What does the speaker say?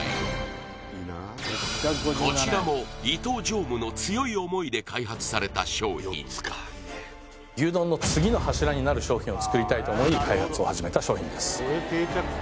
こちらも伊東常務の強い思いで開発された商品牛丼の次の柱になる商品を作りたいと思い開発を始めた商品です